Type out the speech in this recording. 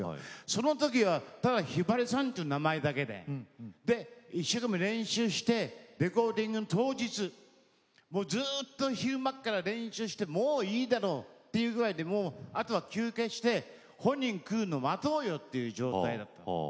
そのときはただひばりさんという名前だけで一生懸命練習してレコーディング当日ずっと昼間から練習してもういいだろうというくらいであとは休憩して、本人が来るのを待とうという状態だったの。